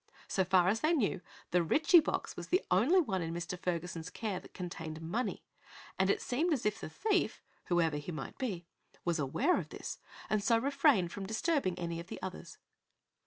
So far as they knew, the Ritchie box was the only one in Mr. Ferguson's care that contained money, and it seemed as if the thief, whoever he might be, was aware of this and so refrained from disturbing any of the others.